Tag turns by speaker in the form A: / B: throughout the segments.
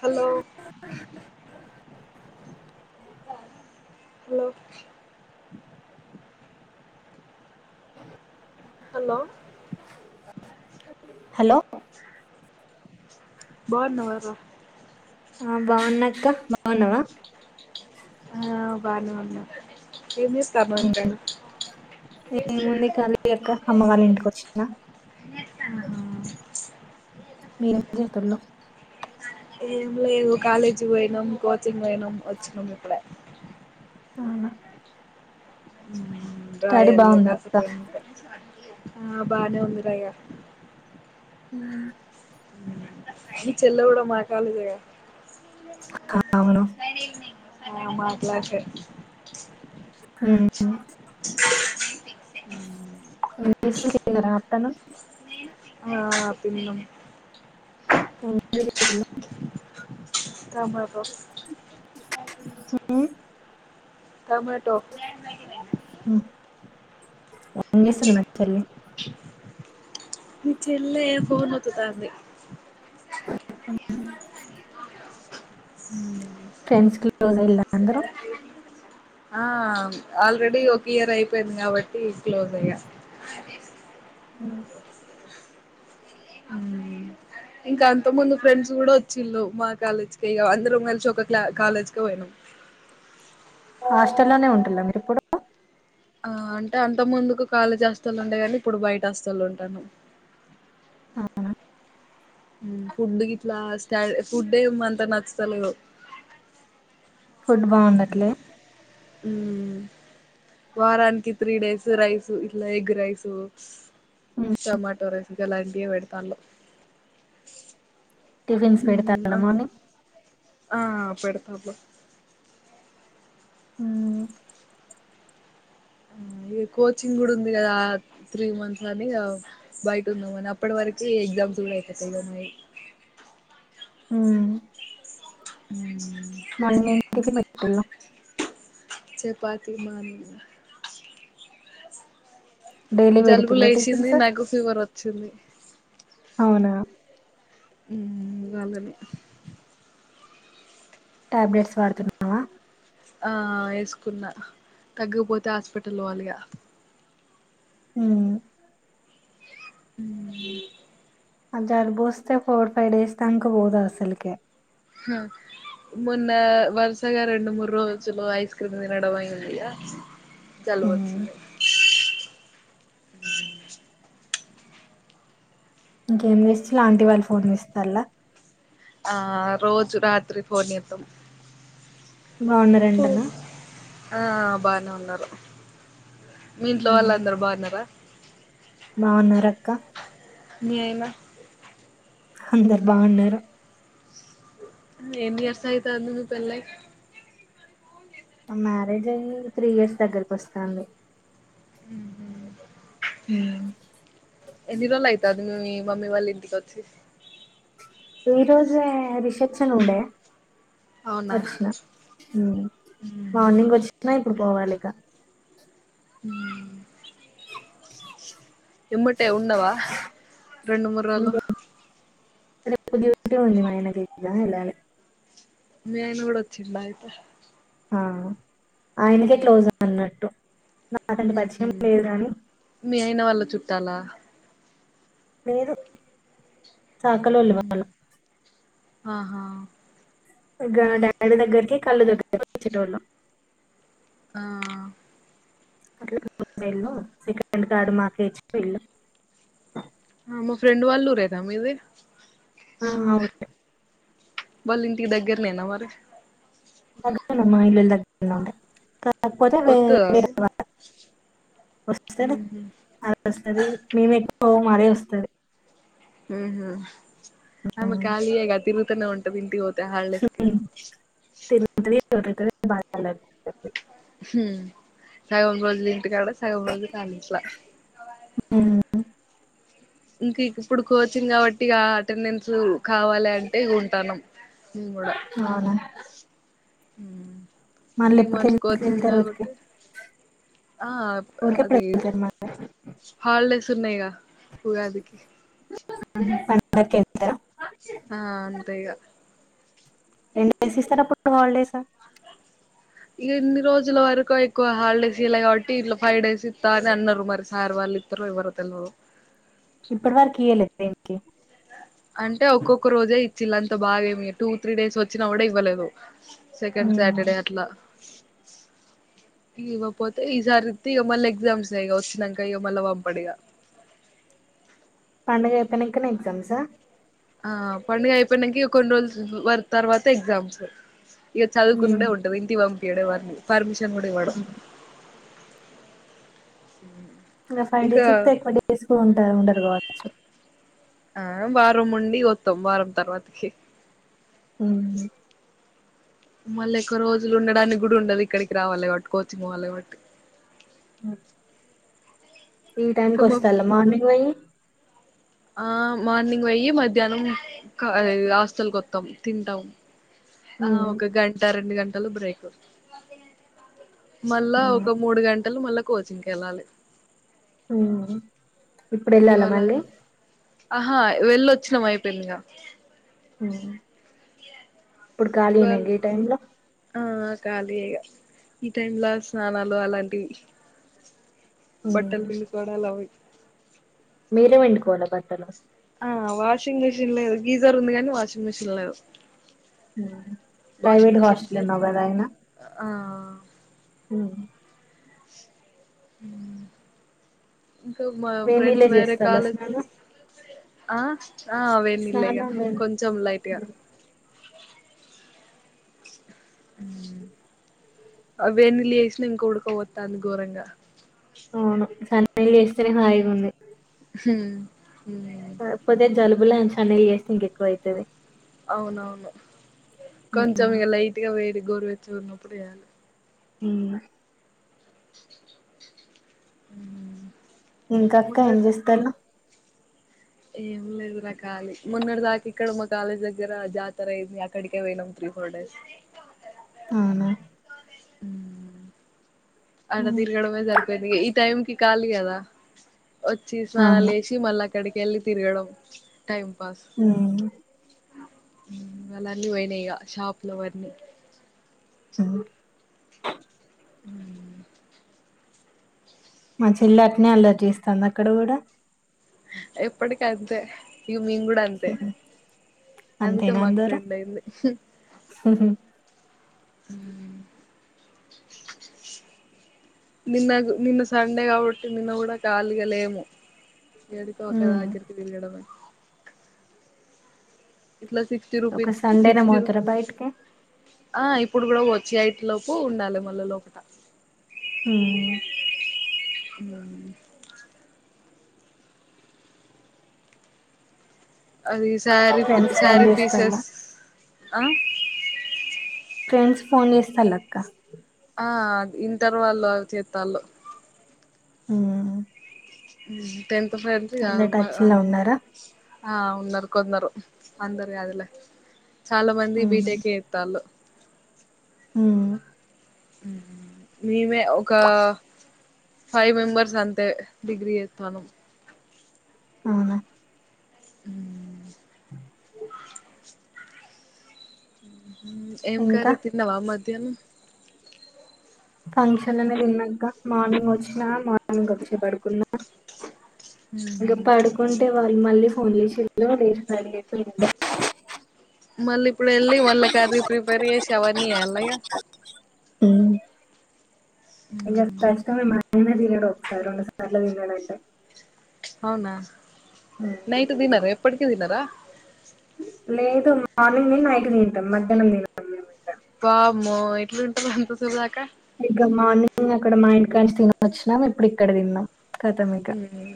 A: Hello hello
B: అ
A: hello
B: hello
A: బావున్నావరా
B: ఆ బాగున్నా అక్క బాగున్నావా
A: ఆ బానే ఉన్నా ఏం చేస్తాన్నావ్ ఇంతగా
B: ఏ ముందుే కాళీ అక్క అమ్మవళ ఇంటిక వచ్చినా మీరే చేస్తల్లు
A: ఏం లేదు కాలేజీ పోయినాం కోచింగ్ పోయినాం వచ్చినాం ఇప్పుడే
B: ఆ
A: ఉ రయాలిగా
B: అక్క
A: కాసేపయిన ఆ బానే ఉంది రయ
B: ఆ
A: ని చెల్ల కూడా మా కాలేజేగా
B: అవును
A: నైన్ ఎయిట్ సిక్స్ ఆ మాట్లాడితే
B: ఉమ్.
A: హ
B: తను
A: ఆ పిన్నూ
B: ఉ ఎం చేసిండు
A: రామ్మకొ టమటో
B: వంగే సల్మల్ చెల్లి
A: మీ చెల్లె ఫోన్ ఓతుతాంది
B: ఫ్రెండ్స్ క్లోస్ ఇల్లా అందరం
A: ఆ, ఆల్రెడీ ఒక ఇయర్ అయిపోయింది కాబట్టి క్లోజ్ అయ్యా.
B: ఆ
A: ఇంకా అంతక్ ముందు ఫ్రెండ్స్ కూడ వచ్చిళ్ళు మా కాలేజ్ కె ఇగ, అందరం కలిసి ఒక క్ల కాలేజ్ కె పోయినం.
B: హాస్టల్లోనే వుంటున్ర మీరిప్పుడు?
A: ఆ అంటే అంతక్ ముందుకు కాలేజీ హాస్టల్లో ఉండేగాని ఇప్పుడు బయట హాస్టల్ల ఉంటానం.
B: అవున?
A: ఫుడ్ గిట్లా స్టా ఫుడ్ ఏం అంత నచ్చుతలేదు.
B: ఫుడ్ బాగుండట్లే?
A: ఉమ్, వారానికి త్రీ డేస్ రైస్ ఇట్ల ఎగ్ రైస్.
B: ఉమ్.
A: టమాటో రైస్ గలాంటీయే పెడతాళ్ళు.
B: టిఫిన్స్ పెడతారా మార్నింగ్?
A: ఆ అ పెడుతాళ్ళు.
B: ఉమ్
A: ఈ కోచింగ్ కూడా ఉంది కదా త్రీ మంత్స్ అని, బయట ఉందాం అని, అప్పటి వరకు ఎగ్జామ్స్ కూడ అయిపోతయ్ అని.
B: ఉమ్
A: ఉ
B: మార్నింగ్ ఏం టిఫిన్ పెట్టిల్లు?
A: చపాతీ మార్నింగ్.
B: డైలీ
A: జలుబు
B: పెడుతుండ్రా
A: లేసింది,
B: టిఫిన్స్
A: నాకు ఫీవర్ వచ్చింది.
B: అవునా?
A: ఉమ్ ఇగ అల్లనే
B: టాబ్లెట్స్ వాడుతున్నావ?
A: ఆ వేసుకున్నా, తగ్గకపోతే హాస్పిటల్ పోవాలిగ.
B: ఉమ్
A: ఉమ్
B: అ జలుబోస్తే ఫోర్ ఫైవ్ డేస్ దాంక పోదు అసల్కె.
A: మొన్న వరుసగా రెండు, మూడు రోజులు ఐస్ క్రీమ్ తినడం అయిందిగ
B: ఉమ్.
A: జలుబోచ్చింది.
B: ఇంకేం చెస్ స్ల ఆంటీ వాళ్ళు ఫోన్ చేస్తాళ్ల?
A: ఆ రోజు రాత్రి ఫోన్ చేత్తం. ఆ
B: బాగున్నారంటనా
A: ఆ బానె ఉన్ న్నరు మీ ఇంట్లో వాళ్ళు అందరు బావున్నరా?
B: బాగున్నరక్క.
A: మీ ఆయన?
B: అందర్ బావున్నరు.
A: ఎన్ని ఇయర్స్ అయితాంది నీకు పెళ్లి ఐ
B: ఆ మ్యారేజ్ అయి త్రీ ఇయర్స్ దగ్గరకి వస్తాంది
A: ఉహో
B: ఉ
A: ఎన్ని రోజులు అయితాంది మే మమ్మీ వాళ్ళ ఇంటికి వచ్చి
B: ఈ రోజే రిసెప్షన్ ఉండే
A: అవునా
B: ఓచ్చిన మార్నింగ్ ఓచ్చిన డు పోవాలిగా
A: ఇమ్మటే ఉన్నావా రెండు మూరలు
B: కొద్ది కొద్దిగా మా ఆయన గిట్ల వెళ్లాలి
A: మేళ కూడా వచ్చేలా అయితే
B: ఆ ఆయనకే క్లోజ్ అన్నట్టు నాకంటే పరిచయం లేదు కాని
A: మీ అయిన వాళ్ళ చుట్టాలా
B: లేేరు చాకలోళ్ళు వాళ్లు
A: ఆహా
B: ఎగర డాడీ దగ్గరకి కళ్ళు దగ్గరకి వచ్చటోళ్లు
A: ఆ
B: అట్లా వెళ్ళు సెకడ్ కార్డు మాకేచ్చ వెళ్ళు
A: ఆ మా ఫ్రెండ్ వాళ్ళు ఊరేదా మీది
B: ఆ అవును లే
A: వాళ్ళింటికి దగ్గరనేనా మరి
B: మాల్ మా ఇల్లులు దగ్గరనే ఉంటాయి కానీ కాకపోతే
A: వత్తదా
B: వేరే వాళ్ళ వస్తది అలా వస్తది మేము ఓ మరే వస్తది
A: ఉహో ఆమె ఖాళీయే కాదా తిరుగుతనే ఇంటికి పోతే ద హాలిడేస్ కి
B: తిరుగుతది బాధ పల్లె
A: హ సగం రోజులు ఇంటికాడ సగా రోజులు కాదు ఇట్లా
B: ఉమ్,
A: ఇంకా ఇప్పుడు కోచింగ్ కాబట్టి ఆ అటెండెన్స్ కావాలి అంటే ఉంటాను
B: అవునా
A: ఉ
B: మళ్ళీ
A: త్రీ
B: ఎప్పటికి
A: మంత్స్
B: వెళ్-
A: కోచింగ్
B: వెళ్తారు ఊరికి
A: కాబట్టి ఆ
B: ఊరికి ఎప్పుడు
A: అది
B: వెళ్తారు మళ్ళీ
A: హాలిడేస్ ఉన్నాయిగా ఉగాదికి
B: పండకెంత
A: ఆ అంతే ఇగా
B: ఎన్ని డేస్ ఇస్తారు అప్పుడు హాలిడేస్
A: ఇక ఇన్ని రోజుల వరకు ఎక్కువ హాలిడేస్ ఇలా కాబట్టి ఇట్లో ఫైవ్ డేస్ ఇత్త అని అన్నారు మరి సార్ వాళ్ళు ఇత్తరో ఇవ్వరో మరి తెల్వదు
B: ఇప్పటి వరకి ఇయ్య లేదు దెనికి
A: అంటే ఒక్కొక్క రోజే చిల్లంతా బాగేమి టూ త్రీ డేస్ వచ్చినా కూడా ఇవ్వలేదు సెకండ్
B: ఉమ్,
A: సాటర్డే అట్లా ఇవ్వపోతే ఈసారిమళ ఎగ్జామ్స్ అ వచ్చినాక ఇమళ పంపడిగా
B: పండుగ అయిపోనాకనా ఎగ్జామ్సా
A: ఆ పండుగ అయిపోయినికి కొన్ని రోజులు వర తర్వాత ఎగ్జామ్స్ ఇక చదువుకునేే ఉంటు ఇంటి ఇవ పంపిడు పర్మ్ చ్చమడివాడు
B: ఇంకా ఫైవ్ డేస్ ఇస్తే ఎక్కువ డేస్ కు ఉంట ఉండరు కావచ్చు
A: ఆ వారం ఉండి వత్తాం వారం తర్వాతకి
B: ఆ
A: మళ్ళీ ఎక్కు రోజులు ఉండడానికి కూడా ఉండదు ఇక్కడికి రావాలి కాబట్టి కోచింగ్ పోవాలి కాబట్టి
B: ఆ ఈ
A: ఇంకా
B: టైమ్కి
A: మా
B: వస్తలా మార్నింగ్ పొయ్యి
A: ఆ మార్నింగ్ వెయ్యి మధ్యాహ్నం హాస్టల్కి వత్తం తింటాం ఆ ఒక గంట ర రడు గంటలు బ్రేక్ మళ్ళా ఒక మూడు గంటలు మళ్ళా కోచింగ్ వెళ్ళాలి
B: ఇప్పుడు వెళ్ళాలా
A: ఇవాళ
B: మళ్ళీ
A: ఆహా వెళ్ళొచ్చినాం అయిపోయిందిగా
B: హ ఇప్పుడు ఖాళీన
A: ఇవాళ
B: గీ టైమ్ లో
A: ఆ ఖాళీయే ఈ టైమ్ లో స్నానాలు అలాంటివి బట్టలు పిండుకోడలు
B: మీరే పిండుకోవాల బట్టలు
A: ఆ వాషింగ్ మిషిన్ లేదు గీజర్ ఉంది కానీ వాషింగ్ మిషిన్ లేదు washing
B: private
A: machine
B: hostel
A: set
B: నగాదయినా
A: ఆ అ ఇంకా మా
B: వేడి
A: ఫ్రెండ్స్
B: నీళ్ళే
A: వేరే
B: చేస్తాలా
A: కాల
B: స్నానం
A: ఆ ఆ వేడి నీళ్లే గా
B: స్నానం
A: కొంచం లైట్గా ఆ వే నీళ్లే ఇం కూడుకోవత్తాంద ఘోరంగా
B: అవును స పెళ్లి చేస్తేనే హాయిగా ఉంది.
A: హమ్
B: కాకపోతే జలుబుల సన వేస్తంగ్ ఎక్కువ అవుతుది
A: అవునవును కొంచెం ఇక లైట్ గా వేడి గోరు వెచ్చగా ఉన్నప్పుడే చేయాల
B: ఆమ్
A: [unintelligible]
B: ఇంకక్క ఏం
A: మొన్నటి
B: చేస్తున్నావు?
A: ఏం లేదు రా కాలి మొన్నటి దాకా ఇక్కడ మా కాలేజ్ దగ్గర జాతర అయింది. అక్కడికే పోయినాం త్రీ ఫోర్ డేస్.
B: అవునా
A: అలా తిరగడమే సరిపోయింది. ఈ టైం కి కాలి కదా. వచ్చి స్నానాలు
B: అవును
A: చేసి మల్లకి అక్కడకు వెళ్ళి తిరగడం. టైమ్ పాస్
B: ఉమ్
A: ఇవలన్నీ పోయినాయిగా ఇక షాప్ లో వన్ని
B: ఉమ్
A: [inaudible]
B: మా చెల్లి అట్లే అల్లరి చేస్తుందా అక్కడ కూడా
A: ఎప్పటికీ అంతే మేము కూడా అంతే అందుకే
B: అంతేనా
A: మాకు
B: అందరూ
A: ఫ్రెండ్ అయింది. హు హ [unintelligible] నిన్న నిన్న సండే కాబట్టి నిన్న కూడా కాలిగాలేము. ఏదిపో అక్క
B: ఉమ్
A: దగ్గరికి తిరగడమే ఇలా సిక్స్టీ
B: ఒక
A: రూపీస్
B: సండేనే
A: సిక్స్టీ
B: పోతారా
A: రూపీస్
B: బయటికి
A: ఆ ఇప్పుడు కూడా వచ్చేఐట్ లోపు ఉండాలి మళ లోపల.
B: ఆమ్
A: [unintelligible] అది సారీ
B: ఫ్రెండ్స్ ఫోన్
A: సారీ
B: చేస్తాలా
A: పీసెస్ ఆ
B: ఫ్రెండ్స్ ఫోన్ చేస్తా లెక్క
A: ఆ ఇంటర్ వాళ్ళు చేతాల్లో
B: ఆమ్
A: [unintelligible] టెన్త్ ఫత్
B: లో ఉన్నారా
A: [unintelligible] ఆ ఉన్నారు కొందరు అందరు కాదులే చాలా మంది
B: ఉమ్
A: బీటెక్ చెత్తళ్ళు
B: హు
A: ఆ మేమే ఒక ఫైవ్ మెంబర్స్ అంతే డిగ్రీ చేస్తాను
B: అవునా
A: ఉమ్ ఉమ్ ఏం
B: ఇంకా
A: కర్రీ తిన్నావా మ ఎన్
B: ఫంక్షన్ అనే తిన్నాక మార్నింగ్ వచ్చిన మార్నిం మనం కొంచె పడుకున్నాం ఇంక పడుకుంటే వాళ్ళు మళ్ళీ ఫోన్ చేసిండు లేసి రెడీ అయి పోయి
A: మళ్ళీ ఇప్పుడు వెళ్ళి మళ్ళ కర్రీ ప్రిపేర్ చేసి అవన్నీ చేయాల్నా ఇగ
B: ఉమ్ ఇగ కష్టమే మరి మేమే తినడ ఒకసారి రెండుసార్ల తినడంట
A: అవునా నైట్ తినారా ఎప్పటికి తినారా
B: లేదు మార్నింగ్ నైట్ తింటాం మధ్యాహ్నం తింనం మే
A: ఎట్లు ఉంటుంది అంత సేపుదకా
B: ఇక మార్నింగ్ అక్కడ మా ఇంటి కంచి తినే వచ్చినాం ఎప్పుడు ఇక్కడ తిన్నాం కతం ఇక
A: మ్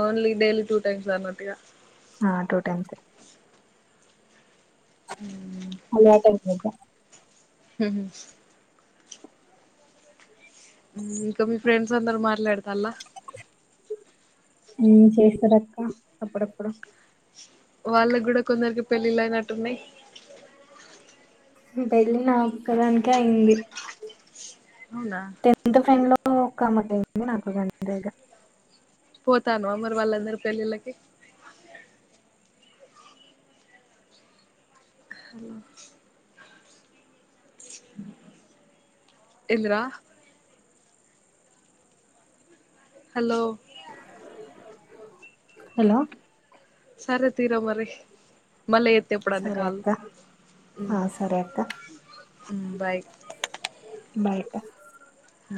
A: ఓన్లీ డైలీ టూ టైం సాలనట్టుగా
B: ఆ టూ టైమ్స్ అలవాటు ఐపోద్ది
A: హమ్ ఇంకా మీ ఫ్రెండ్ అందరు మాట్లాడుతాళ్ళ
B: హు చేస్తరక్క అప్పుడప్పుడు
A: వాళ్ళకి కూడా కొందరికి పెళ్ళిళ్ళు అయినట్టున్నాయి
B: పెళ్లి నా ఒక్కదానికే అయింది
A: ఉండ
B: టెన్త్ ఫ్రెండ్ లో ఒకమామేకయింది నాకు కూడా అంతే ఇగ
A: పోతాను మరి వాళ్ళ అందరి పెళ్లిళ్ళకి హలో ఎందిరా హలో
B: హలో
A: సరే తీర మరి మళ్ళ ఎతేప్పుడనే
B: సరే
A: కాల్
B: అక్క ఆ
A: మ్
B: సరే అక్క
A: మ్ బాయ్
B: బయక్క
A: హ